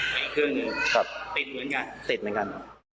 เครื่องหนึ่งติดเหมือนกันติดเหมือนกัน